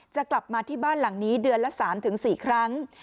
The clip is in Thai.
จะกลับมาที่บ้านหลังนี้เดือนละ๓๔ครั้ง